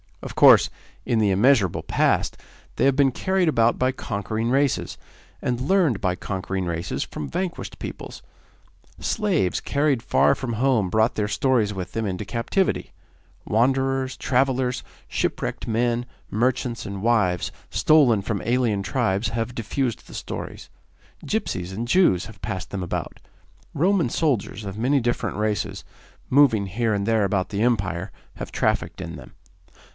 Of course, in the immeasurable past, they have been carried about by conquering races, and learned by conquering races from vanquished peoples. Slaves carried far from home brought their stories with them into captivity. Wanderers, travellers, shipwrecked men, merchants, and wives stolen from alien tribes have diffused the stories; gipsies and Jews have passed them about; Roman soldiers of many different races, moved here and there about the Empire, have trafficked in them.